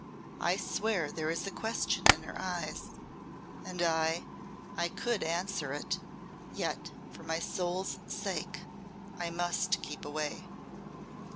I swear there is a question in her eyes and I I could answer it. Yet, for my soul's sake, I must keep away."